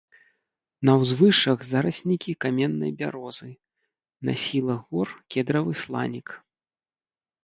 На ўзвышшах зараснікі каменнай бярозы, на схілах гор кедравы сланік.